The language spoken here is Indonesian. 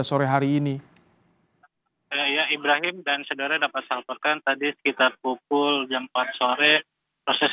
sore hari ini ya ibrahim dan saudara dapat saparkan tadi sekitar pukul jam empat sore proses